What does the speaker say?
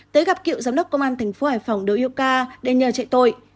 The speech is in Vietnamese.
tới gặp cựu giám đốc công an thành phố hải phòng đội yêu ca để nhờ trại tội